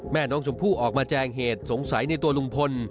แม่น้องชมพู่ออกมาแจงเหตุสงสัยในตัวลุงพล